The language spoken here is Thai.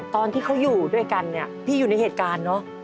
ตอนที่เขาอยู่ด้วยกันเนี่ยพี่อยู่ในเหตุการณ์เนอะ